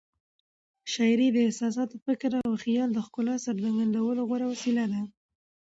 شاعري د احساساتو، فکر او خیال د ښکلا څرګندولو غوره وسیله ده.